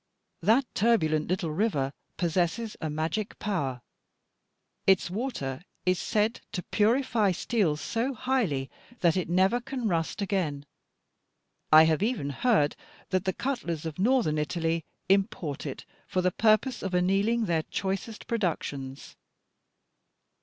That turbulent little river possesses a magic power. Its water is said to purify steel so highly that it never can rust again. I have even heard that the cutlers of Northern Italy import it, for the purpose of annealing their choicest productions.